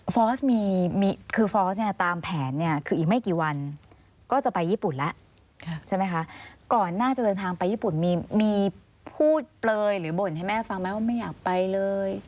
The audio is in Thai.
คือฟอร์สเนี่ยตามแผนเนี่ยคืออีกไม่กี่วันก็จะไปญี่ปุ่นแล้วใช่ไหมคะก่อนหน้าจะเดินทางไปญี่ปุ่นมีพูดเปลยหรือบ่นให้แม่ฟังไหมว่าไม่อยากไปเลย